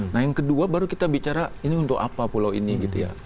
nah yang kedua baru kita bicara ini untuk apa pulau ini gitu ya